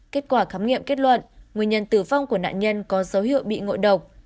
kết quả khám nghiệm kết luận nguyên nhân tử vong của nạn nhân có dấu hiệu bị ngộ độc